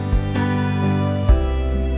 aku mau ke sana